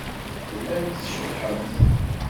Tellamt tceḍḍḥemt.